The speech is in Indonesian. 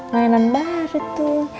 layanan baru tuh